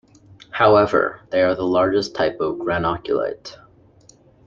However, they are the largest type of granulocyte.